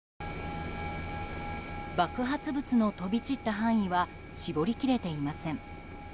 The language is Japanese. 爆発物の飛び散った範囲は絞り切れていません。